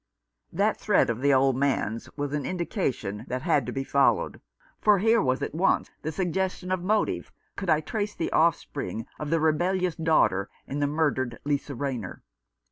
That threat of the old man's was an indication that had to be followed — for here was at once the suggestion of motive, could I trace the offspring of the rebellious daughter in the murdered Lisa Rayner.